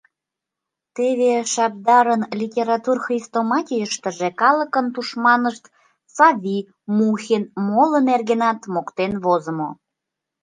Теве Шабдарын «Литератур хрестоматийыштыже» калыкын тушманышт Сави, Мухин, моло нергенат моктен возымо.